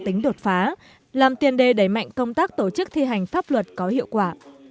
tính đột phá làm tiền đề đẩy mạnh công tác tổ chức thi hành pháp luật có hiệu quả